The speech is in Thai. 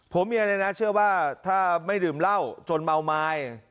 ผมเชื่อว่าถ้าไม่ดื่มเหล้าจนเมาไม้